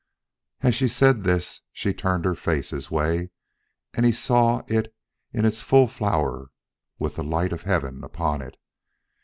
As she said this she turned her face his way and he saw it in its full flower with the light of heaven upon it.